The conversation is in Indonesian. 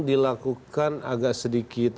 dilakukan agak sedikit